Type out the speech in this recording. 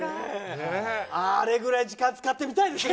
あれぐらい時間使ってみたいですね。